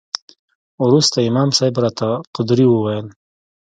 وروسته امام صاحب راته قدوري وويل.